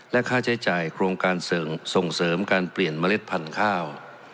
และค่าใช้จ่ายโครงการส่งเสริมการเปลี่ยนเมล็ดพันธุ์ข้าว